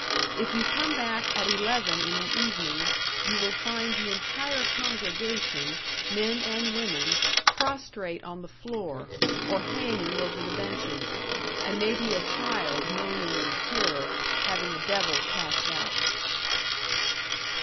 If you come back at eleven in the evening, you will find the entire congregation, men and women, prostrate on the floor, or hanging over the benches; and maybe a child moaning in terror, having a devil cast out.